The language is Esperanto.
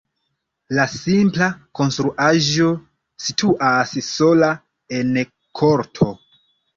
La simpla konstruaĵo situas sola en korto.